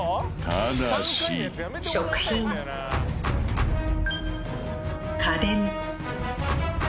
ただし・食品・・家電・